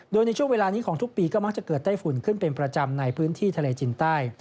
โดยในช่วงเวลานี้ของทุกปีก็มักจะเกิดไต้ฝุ่นขึ้นเป็นประจำในพื้นที่ทะเลจินใต้